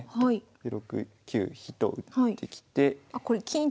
で６九飛と打ってきて。